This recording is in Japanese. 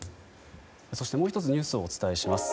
そして、もう１つニュースをお伝えします。